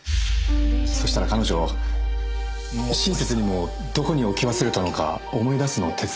そしたら彼女親切にもどこに置き忘れたのか思い出すのを手伝ってくれて。